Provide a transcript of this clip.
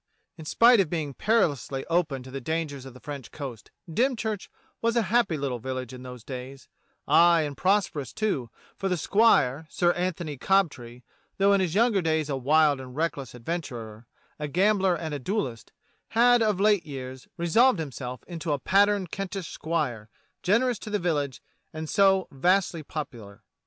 In spite of being perilously open to the dangers of the French coast, Dymchurch was a happy little village in those days — aye, and prosperous, too, for the Squire, Sir Antony Cobtree, though in his younger days a wild and reckless adventurer, a gambler and a duellist, had, of late years, resolved himself into a pattern Kentish squire, generous to the village, and so vastly popular.